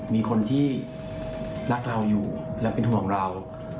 มีคนที่รักเราอยู่และเป็นห่วงเรา